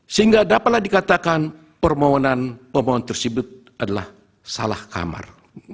sehingga dapatlah dikatakan permohonan pemohon tersebut adalah salah kamar